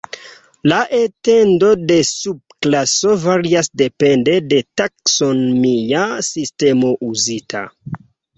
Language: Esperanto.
La etendo de subklaso varias depende de taksonomia sistemo uzita.